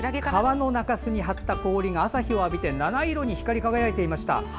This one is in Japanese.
川の中州に張った氷が朝日を浴びて七色に光り輝いていました。